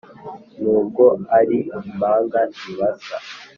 nubwo ari impanga ntibasa